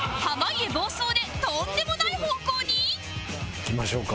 いきましょうか。